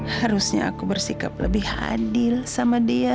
harusnya aku bersikap lebih adil sama dia